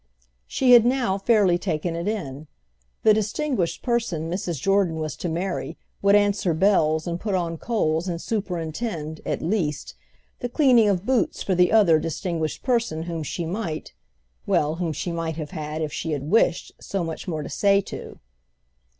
She had now fairly taken it in: the distinguished person Mrs. Jordan was to marry would answer bells and put on coals and superintend, at least, the cleaning of boots for the other distinguished person whom she might—well, whom she might have had, if she had wished, so much more to say to.